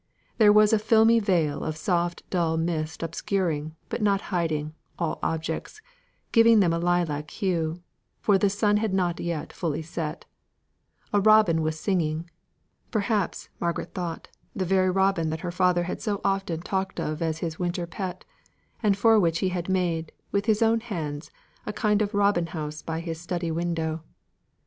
There was a filmy veil of soft dull mist obscuring, but not hiding, all objects, giving them a lilac hue, for the sun had not yet fully set; a robin was singing, perhaps, Margaret thought, the very robin that her father had so often talked of as his winter pet, and for which he had made, with his own hands, a kind of robin house by his study window.